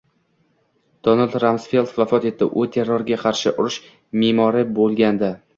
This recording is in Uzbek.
Donald Ramsfeld vafot etdi. U «terrorga qarshi urush» me'mori bo‘lgandi